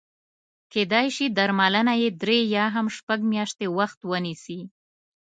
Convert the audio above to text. کېدای شي درملنه یې درې یا هم شپږ میاشتې وخت ونیسي.